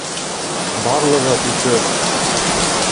Барлығы утыҙ!